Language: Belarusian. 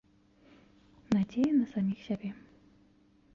Надзея на саміх сябе.